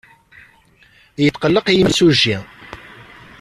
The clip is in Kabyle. Yetqelleq yimsujji.